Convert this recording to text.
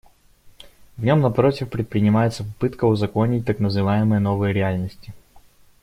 В нем, напротив, предпринимается попытка узаконить так называемые новые реальности.